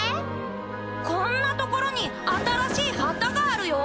こんな所に新しい旗があるよ？